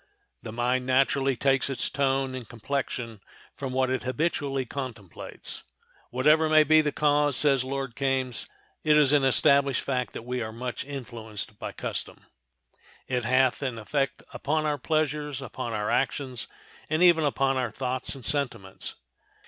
The mind naturally takes its tone and complexion from what it habitually contemplates. "Whatever may be the cause," says Lord Kames, "it is an established fact that we are much influenced by custom. It hath an effect upon our pleasures, upon our actions, and even upon our thoughts and sentiments."